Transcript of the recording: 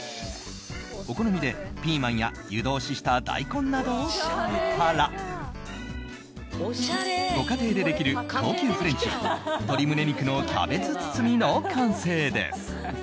お好みでピーマンや湯通しした大根などを添えたらご家庭でできる高級フレンチ鶏胸肉のキャベツ包みの完成です。